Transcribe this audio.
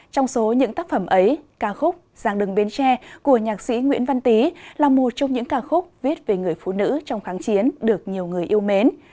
trong số những tác phẩm ấy ca khúc giang đường bến tre của nhạc sĩ nguyễn văn tý là một trong những ca khúc viết về người phụ nữ trong kháng chiến được nhiều người yêu mến